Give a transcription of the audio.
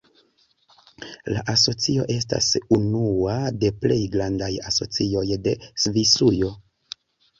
La asocio estas unua de plej grandaj asocioj de Svisujo.